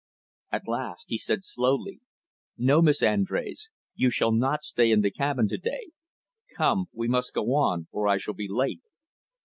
At last he said slowly, "No, Miss Andrés, you shall not stay in the cabin to day. Come; we must go on, or I shall be late."